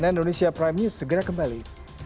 cnn indonesia prime news segera kembali